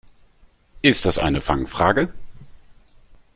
Ist das eine Fangfrage?